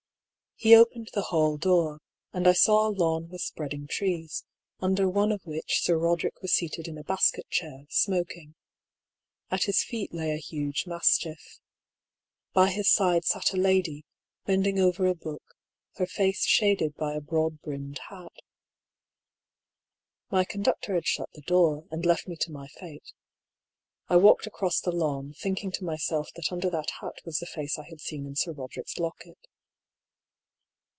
He opened the hall door, and I saw a lawn with spreading trees, under one of which Sir Roder ick was seated in a basket chair, smoking. At his feet lay a huge mastiff. By his side sat a lady, bend ing over a book, her face shaded by a broad brimmed hat. My conductor had shut the door, and left me to my fate. I walked across the lawn, thinking to myself that under that hat was the face I had seen in Sir Roderick's locket.